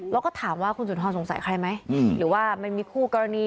แล้วก็ถามว่าคุณสุนทรสงสัยใครไหมหรือว่ามันมีคู่กรณี